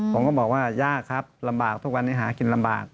ผมก็บอกว่ายากครับลำบากทุกวันนี้หากินลำบาก